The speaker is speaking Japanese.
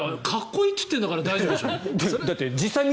かっこいいって言ってるから大丈夫でしょ。